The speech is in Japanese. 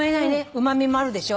うま味もあるでしょ。